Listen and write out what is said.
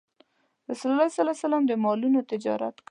رسول الله ﷺ د مالونو تجارت کاوه.